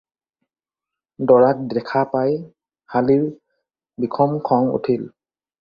দৰাক দেখা পাই হালিৰ বিষম খং উঠিল।